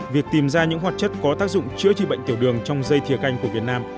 việc tìm ra những hoạt chất có tác dụng chữa trị bệnh tiểu đường trong dây thiều canh của việt nam